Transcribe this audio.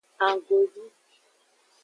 Annggovi.